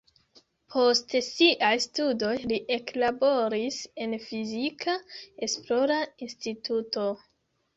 Post siaj studoj li eklaboris en fizika esplora instituto.